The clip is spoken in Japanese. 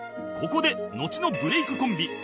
ここでのちのブレイクコンビ